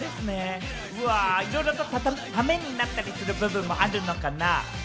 いろいろとためになったりする部分もあるのかな？